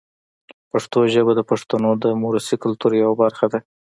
پښتو ژبه د پښتنو د موروثي کلتور یوه برخه ده.